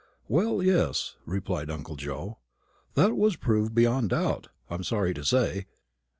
"Well, yes," replied uncle Joe; "that was proved beyond doubt, I'm sorry to say.